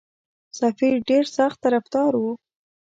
سفیر ډېر سخت طرفدار وو.